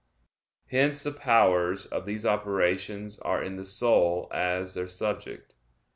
Hence the powers of these operations are in the soul as their subject.